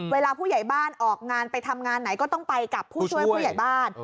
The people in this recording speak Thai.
ผู้ใหญ่บ้านออกงานไปทำงานไหนก็ต้องไปกับผู้ช่วยผู้ใหญ่บ้าน